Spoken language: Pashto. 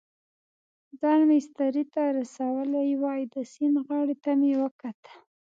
ځان مېسترې ته رسولی وای، د سیند غاړې ته مې وکتل.